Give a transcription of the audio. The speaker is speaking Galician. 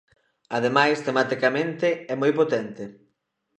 Ademais, tematicamente é moi potente.